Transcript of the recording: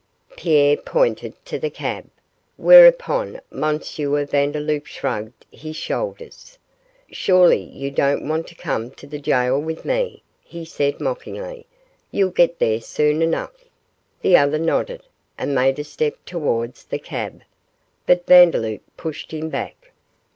Pierre pointed to the cab, whereupon M. Vandeloup shrugged his shoulders. 'Surely you don't want to come to the gaol with me,' he said, mockingly, 'you'll get there soon enough.' The other nodded, and made a step towards the cab, but Vandeloup pushed him back.